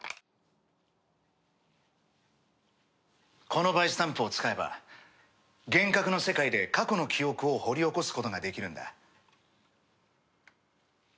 このバイスタンプを使えば幻覚の世界で過去の記憶を掘り起こすことができるんだ。